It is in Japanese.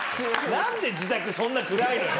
何で自宅そんな暗いのよ。